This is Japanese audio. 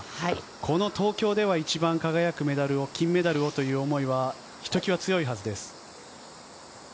この東京では一番輝くメダルを金メダルをという思いは、ひときわ強いはずです。